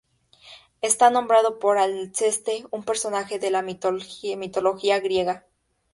Está nombrado por Alceste, un personaje de la mitología griega.